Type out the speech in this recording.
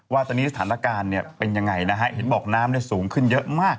ว่าตอนนี้สถานการณ์เนี่ยเป็นยังไงนะฮะเห็นบอกน้ำสูงขึ้นเยอะมาก